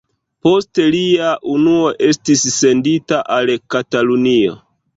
Poste lia unuo estis sendita al Katalunio.